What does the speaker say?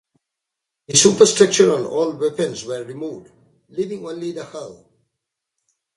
The superstructure and all weapons were removed, leaving only the hull.